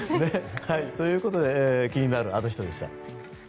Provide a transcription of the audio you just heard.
ということで気になるアノ人でした。